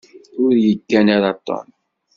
Ur yeggan ara Tom.